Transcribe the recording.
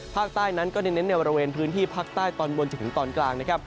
ภาคใต้นั้นก็เน้นในบริเวณพื้นที่ภาคใต้ตอนบนจนถึงตอนกลางนะครับ